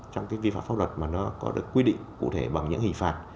trong cái vi phạm pháp luật mà nó có được quy định cụ thể bằng những hình phạt